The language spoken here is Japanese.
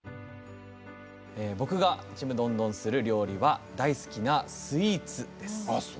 僕がちむどんどんする料理は大好きなスイーツです。